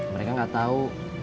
mereka enggak tahu